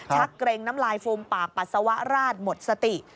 เกร็งน้ำลายฟูมปากปัสสาวะราดหมดสติ